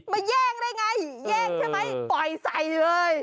แย่งได้ไงแย่งใช่ไหมปล่อยใส่เลย